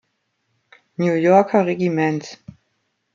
New Yorker Regiments.